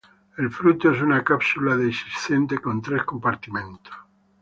El fruto es una cápsula dehiscente con tres compartimentos.